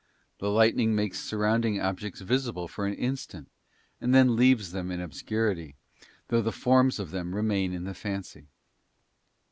The lightning makes surrounding objects visible for an instant, and then leaves them in obscurity, though the forms of them remain in the fancy.